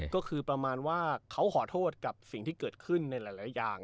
ก็คือประมาณว่าเขาขอโทษกับสิ่งที่เกิดขึ้นในหลายอย่าง